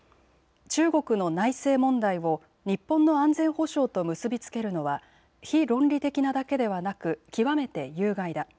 中国の内政問題を日本の安全保障と結び付けるのは非論理的なだけではなく極めて有害だ。